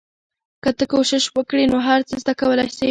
که ته کوشش وکړې نو هر څه زده کولای سې.